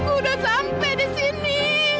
udah sampai di sini